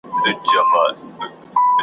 بې خبره د ښاریانو له دامونو .